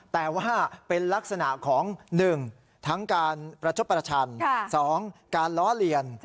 แต่ว่าเป็นลักษณะของ๑ทั้งการประชบประชัน